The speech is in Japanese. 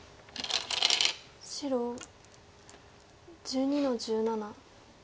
白１２の十七。